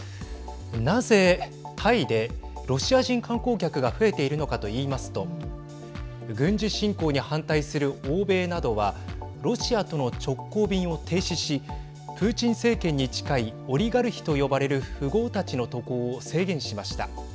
なぜタイでロシア人観光客が増えているのかと言いますと軍事侵攻に反対する欧米などはロシアとの直行便を停止しプーチン政権に近いオリガルヒと呼ばれる富豪たちの渡航を制限しました。